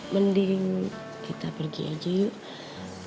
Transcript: mendingin kita pergi aja yuk